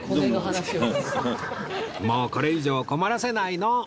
もうこれ以上困らせないの！